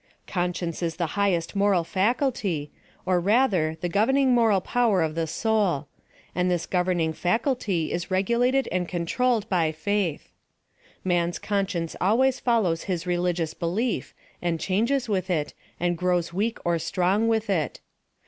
Conscience is the highest moral faculty, or rather, the governing moral power of the soul ; and this governing faculty is regulated and control led by faith. Man's conscience always follows his religious belief, and changes with it, and grows weak or strong with it.